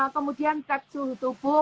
kemudian cek suhu tubuh